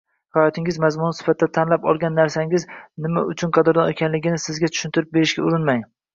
hayotingiz mazmuni sifatida tanlab olgan narsangiz nima uchun qadrli ekanligini kimgadir tushuntirib berishga urunmang